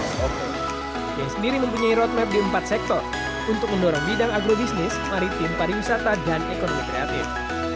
yang sendiri mempunyai roadmap di empat sektor untuk mendorong bidang agrobisnis maritim pariwisata dan ekonomi kreatif